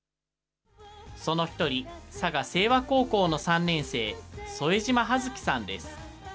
その１人、佐賀清和高校の３年生、副島葉月さんです。